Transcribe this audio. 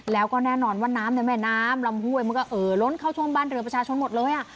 แล้วก็แน่นอนว่าน้ำในแม่น้ำลำห้วยมันก็เอ่อล้นเข้าท่วมบ้านเรือประชาชนหมดเลยอ่ะ